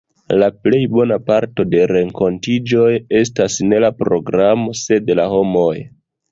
La plej bona parto de renkontiĝoj estas ne la programo, sed la homoj.